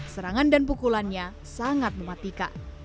serangan dan pukulannya sangat mematikan